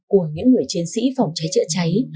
của những người chiến sĩ phòng cháy chữa cháy